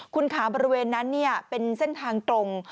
คุณขาบริเวณนั้นเป็นเส้นทางตรง